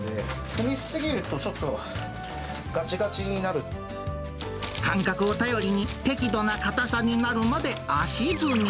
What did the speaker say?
踏み過ぎるとちょっと、がちがち感覚を頼りに、適度な硬さになるまで足踏み。